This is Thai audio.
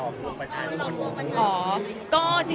บอกว่าดาราคุณก็ว่าดารารอบหวังประชาชน